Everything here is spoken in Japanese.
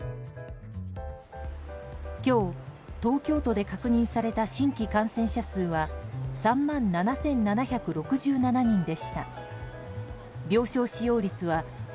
今日、東京都で確認された新規感染者数は３万７７６７人でした。